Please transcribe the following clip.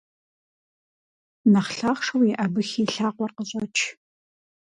Нэхъ лъахъшэу еӀэбыхи и лъакъуэр къыщӀэч!